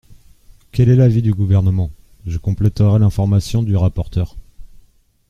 Quel est l’avis du Gouvernement ? Je compléterai l’information du rapporteur.